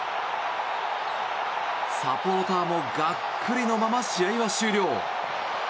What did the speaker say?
サポーターもがっくりのまま試合は終了。